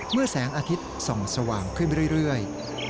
แสงอาทิตย์ส่องสว่างขึ้นเรื่อย